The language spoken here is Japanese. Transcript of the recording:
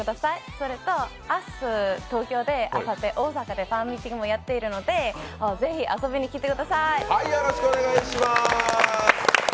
それから明日、東京あさって大阪でファンミーティングをやっているので、ぜひ遊びに来てください。